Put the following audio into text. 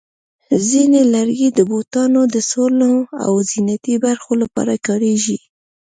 ځینې لرګي د بوټانو د سول او زینتي برخو لپاره کارېږي.